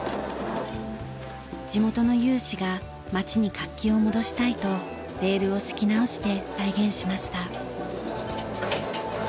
地元の有志が町に活気を戻したいとレールを敷き直して再現しました。